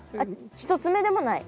１つ目でもない？